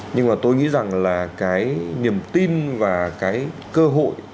nhưng mà tôi nghĩ rằng là cái niềm tin và cái cơ hội